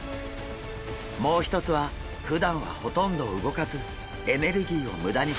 もう一つはふだんはほとんど動かずエネルギーを無駄にしないこと。